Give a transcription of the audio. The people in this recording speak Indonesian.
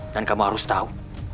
dan kamu harus tahu